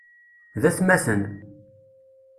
D atmaten.